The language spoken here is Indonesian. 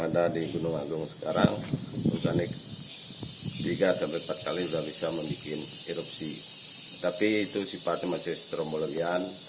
ada di gunung agung sekarang organik tiga empat kali bisa bisa membuat erupsi tapi itu sifat masih terombolelian